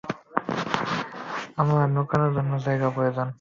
আমার লুকানোর জন্য জায়গা প্রয়োজন।